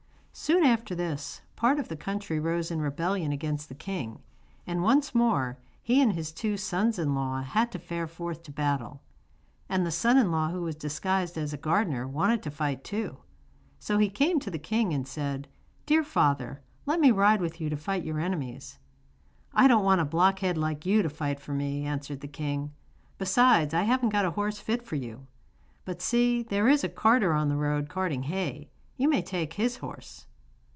Soon after this, part of the country rose in rebellion against the king, and once more he and his two sons in law had to fare forth to battle. And the son in law who was disguised as a gardener wanted to fight too. So he came to the king and said: 'Dear father, let me ride with you to fight your enemies.' 'I don't want a blockhead like you to fight for me,' answered the king. 'Besides, I haven't got a horse fit for you. But see, there is a carter on the road carting hay; you may take his horse.